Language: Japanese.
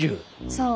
そう。